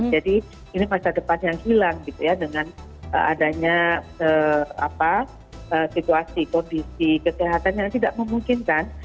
jadi ini masa depan yang hilang gitu ya dengan adanya situasi kondisi kesehatan yang tidak memungkinkan